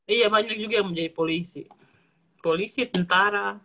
iya banyak juga yang menjadi polisi polisi tentara